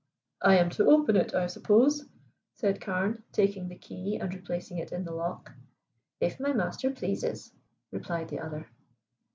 "I am to open it, I suppose?" said Carne, taking the key and replacing it in the lock. "If my master pleases," replied the other.